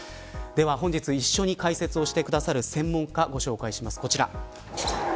本日一緒に解説をしてくださる専門家をご紹介します、こちら。